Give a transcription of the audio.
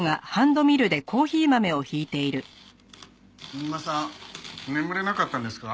三馬さん眠れなかったんですか？